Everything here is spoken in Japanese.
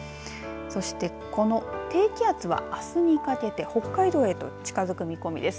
そしてこの低気圧はあすにかけて北海道へと近づく見込みです。